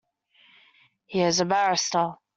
He is a barrister.